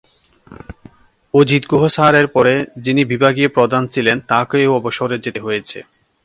অজিত গুহ স্যারের পরে যিনি বিভাগীয় প্রধান ছিলেন তাঁকেও অবসরে যেতে হয়েছে।